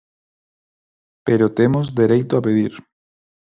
Pero temos dereito a pedir.